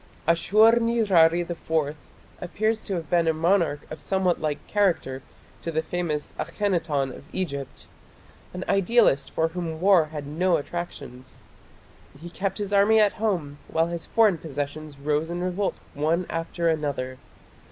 Ashur nirari IV appears to have been a monarch of somewhat like character to the famous Akhenaton of Egypt an idealist for whom war had no attractions. He kept his army at home while his foreign possessions rose in revolt one after another.